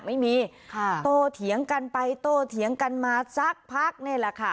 ไม่มีค่ะโตเถียงกันไปโตเถียงกันมาสักพักนี่แหละค่ะ